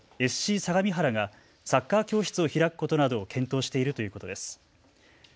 相模原がサッカー教室を開くことなどを検討しているということです。